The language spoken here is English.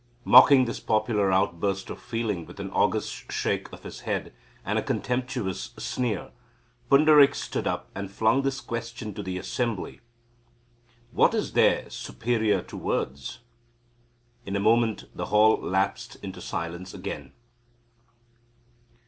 Mocking this popular outburst of feeling, with an august shake of his head and a contemptuous sneer, Pundarik stood up, and flung this question to the assembly; "What is there superior to words?" In a moment the hall lapsed into silence again.